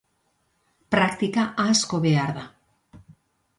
Praktika asko behar da.